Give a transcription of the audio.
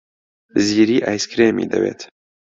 زیری ئایسکرێمی دەوێت.